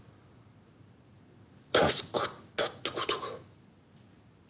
助かったって事か。